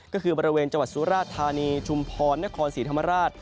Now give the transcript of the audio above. ก็คือบริเวณจังหวัดสุราธานีชุมพรนครศรีธรรมราช